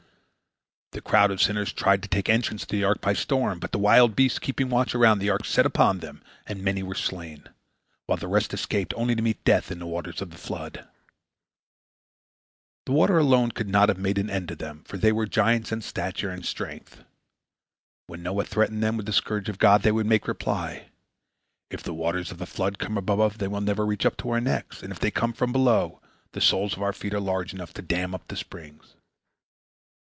The crowd of sinners tried to take the entrance to the ark by storm, but the wild beasts keeping watch around the ark set upon them, and many were slain, while the rest escaped, only to meet death in the waters of the flood. The water alone could not have made an end of them, for they were giants in stature and strength. When Noah threatened them with the scourge of God, they would make reply: "If the waters of the flood come from above, they will never reach up to our necks; and if they come from below, the soles of our feet are large enough to dam up the springs."